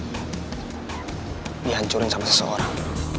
gue mau dihancurin sama seseorang